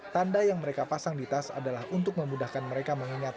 tanda yang mereka pasang di tas adalah untuk memudahkan mereka mengingat